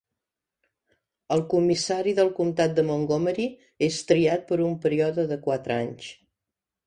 El comissari del comtat de Montgomery, és triat per un període de quatre anys